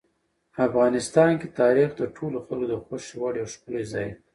افغانستان کې تاریخ د ټولو خلکو د خوښې وړ یو ښکلی ځای دی.